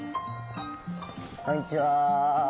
こんにちは。